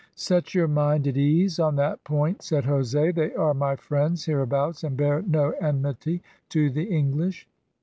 "Set your mind at ease on that point," said Jose "they are my friends hereabouts, and bear no enmity to the English."